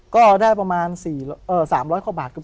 ก็ได้ประมาณสี่สามร้อยกว่าบาท